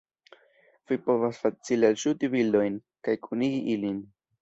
vi povas facile alŝuti bildojn kaj kunigi ilin